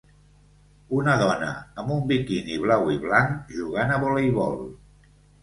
Una dona amb un biquini blau i blanc jugant a voleibol.